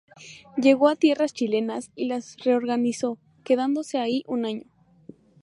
Llegó a las tierras chilenas y las reorganizó, quedándose ahí un año.